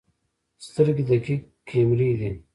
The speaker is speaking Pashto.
سترګې دقیق کیمرې دي.